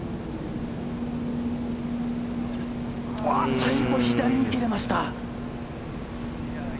最後左に切れました。